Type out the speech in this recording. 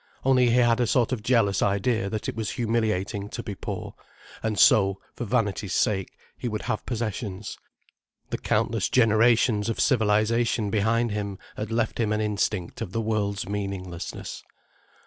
Only he had a sort of jealous idea that it was humiliating to be poor, and so, for vanity's sake, he would have possessions. The countless generations of civilization behind him had left him an instinct of the world's meaninglessness.